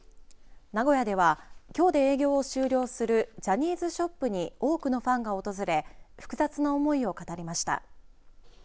名古屋ではきょうで営業を終了するジャニーズショップに多くのファンが訪れ複雑な思いを語りました。